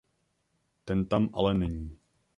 Ten tam ale není.